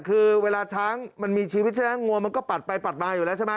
คือเวลาช้างมันมีชีวิตใช่ไหมงัวมันก็ปัดไปปัดมาอยู่แล้วใช่ไหม